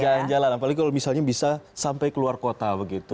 jalan jalan apalagi kalau misalnya bisa sampai keluar kota begitu